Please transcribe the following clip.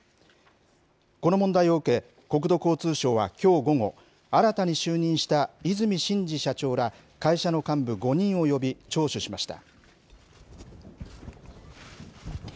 この問題を受け、国土交通省はきょう午後、新たに就任した和泉伸二社長ら、会社の幹部５人を呼び聴取しました。